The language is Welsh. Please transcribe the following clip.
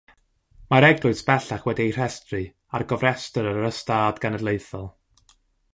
Mae'r eglwys bellach wedi'i rhestru ar Gofrestr yr Ystad Genedlaethol.